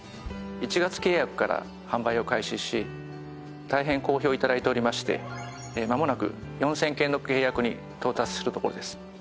１月契約から販売を開始し大変好評を頂いておりましてまもなく４０００件の契約に到達するところです。